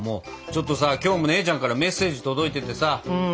ちょっとさ今日も姉ちゃんからメッセージ届いててさこれ見てよ。